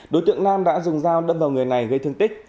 đối tượng nam đã dùng dao đâm vào người này gây thương tích